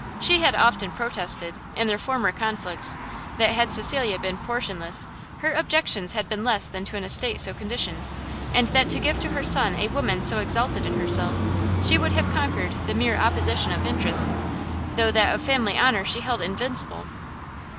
She had often protested, in their former conflicts, that had Cecilia been portionless, her objections had been less than to an estate so conditioned; and that to give to her son a woman so exalted in herself, she would have conquered the mere opposition of interest, though that of family honour she held invincible.